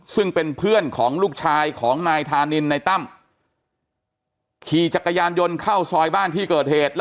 ซึ่งเป็นเพื่อนของลูกชายของนายธานินในตั้มขี่จักรยานยนต์เข้าซอยบ้านที่เกิดเหตุ